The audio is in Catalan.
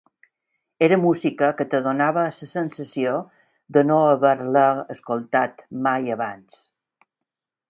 Era música que et donava la sensació de no haver-la escoltat mai abans.